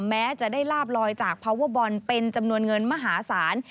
แม้จะได้ลาบลอยจากพาวเวอร์บอลเป็นจำนวนเงินมหาศาล